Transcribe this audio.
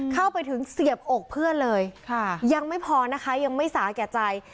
เข้าไปถึงเสียบอกเพื่อนเลยยังไม่พอนะคะยังไม่สาแก่ใจ